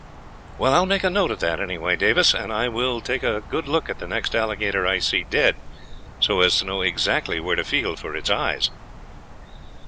"Well, I will make a note of that, anyhow, Davis, and I will take a good look at the next alligator I see dead, so as to know exactly where to feel for its eyes."